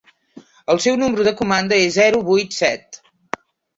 El seu número de comanda és zero vuit set.